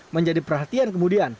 menjadi perhatian kemudian